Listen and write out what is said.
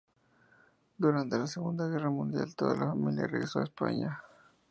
Durante la Segunda Guerra Mundial toda la familia regresó a España.